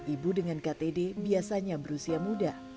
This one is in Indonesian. ibu dengan ktd biasanya berusia muda